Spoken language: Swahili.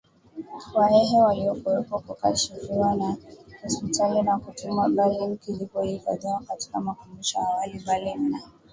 Wahehe waliokuwepo Kikasafishwa katika hospitali na kutumwa Berlin kilipohifadhiwa katika makumbusho awali Berlin na